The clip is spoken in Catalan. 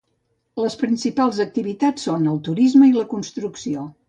Les principals activitats són el turisme i la construcció.